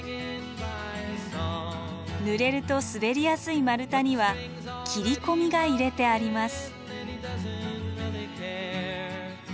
ぬれると滑りやすい丸太には切り込みが入れてあります。